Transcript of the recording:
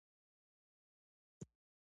د اوړي په ټکنده غرمه کې شهادیان پټ شوي وو.